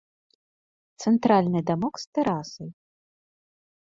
Цэнтральны дамок з тэрасай.